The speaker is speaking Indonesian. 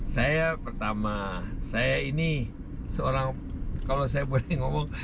saya pertama saya ini seorang kalau saya boleh ngomong